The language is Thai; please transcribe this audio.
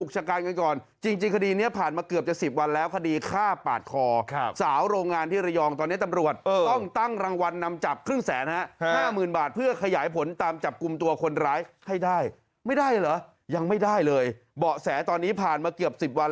อุกชากรกันกันก่อนจริงคดีนี้ผ่านมาเกือบจะ๑๐วันแล้ว